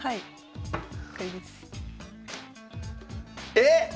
えっ